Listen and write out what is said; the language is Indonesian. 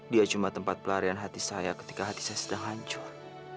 dia cuma tempat pelarian hati saya ketika hati saya sedang hancur